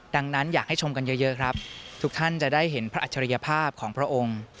ดังนั้นอยากให้ชมกันเยอะครับทุกท่านจะได้เห็นพระอัจฉริยภาพของพระองค์